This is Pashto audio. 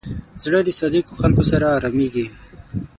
زړه د صادقو خلکو سره آرامېږي.